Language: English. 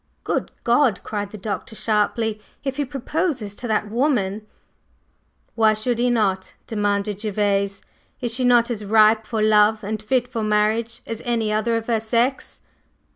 "Good God!" cried the Doctor, sharply, "If he proposes to that woman …" "Why should he not?" demanded Gervase. "Is she not as ripe for love and fit for marriage as any other of her sex?"